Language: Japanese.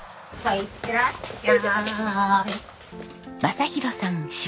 いってらっしゃい。